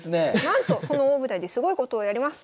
なんとその大舞台ですごいことをやります。